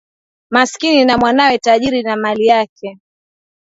Masikini na mwanawe tajiri na mali yake